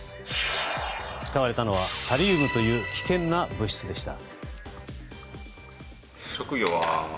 使われたのはタリウムという危険な物質でした。